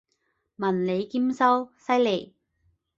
文理兼修，犀利！